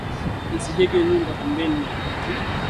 Usijenge nyumba pembeni ya iki kilima